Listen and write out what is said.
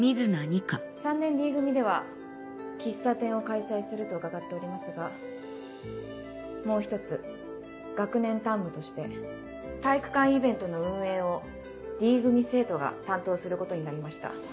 ３年Ｄ組では喫茶店を開催すると伺っておりますがもう一つ学年担務として体育館イベントの運営をＤ組生徒が担当することになりました。